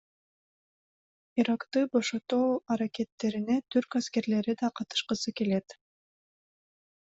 Иракты бошотуу аракеттерине түрк аскерлери да катышкысы келет.